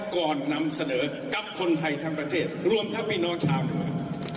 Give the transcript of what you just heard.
ก่อนนำเสนอกับคนไทยทั้งประเทศรวมทะพินทร์ชาวภิกร